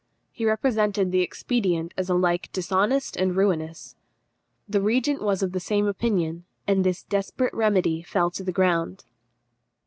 He represented the expedient as alike dishonest and ruinous. The regent was of the same opinion, and this desperate remedy fell to the ground.